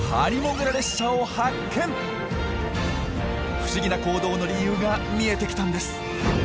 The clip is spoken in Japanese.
不思議な行動の理由が見えてきたんです。